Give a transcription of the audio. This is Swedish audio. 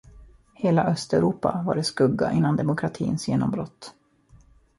Hela östeuropa var i skugga innan demokratins genombrott.